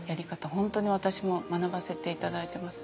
本当に私も学ばせて頂いてます。